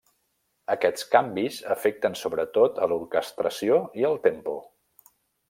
Aquests canvis afecten sobretot a l'orquestració i el tempo.